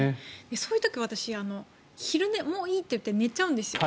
そういう時は昼寝もいいと言って寝ちゃうんですよ。